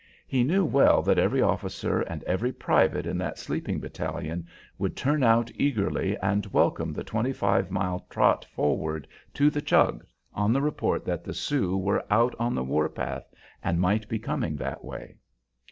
He knew well that every officer and every private in that sleeping battalion would turn out eagerly and welcome the twenty five mile trot forward to the Chug on the report that the Sioux were out "on the war path" and might be coming that way.